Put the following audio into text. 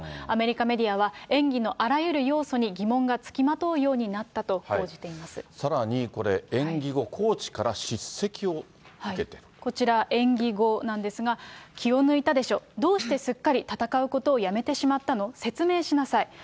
アメリカメディアは、演技のあらゆる要素に疑問が付きまとうようになったと報じていまさらにこれ、こちら、演技後なんですが、気を抜いたでしょ、どうしてすっかり戦うことをやめてしまったの、説明しなさい。